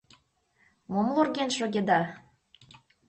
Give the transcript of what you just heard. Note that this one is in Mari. Мом лорген шогеда?